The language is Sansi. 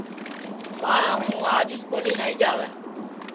ماں ہوں آج سکولی نائی جاوے